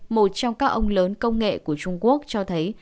một trong các ông lớn công nghệ của trung quốc cho thấy